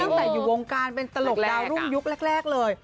ตั้งแต่อยู่วงการเป็นตลกดาวรุ่งยุคแรกเลย